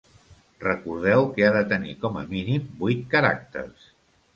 Recordeu que ha de tenir, com a mínim, vuit caràcters.